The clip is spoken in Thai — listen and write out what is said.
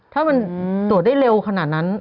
ถ้ามันตรวจได้เร็วขนาดนั้น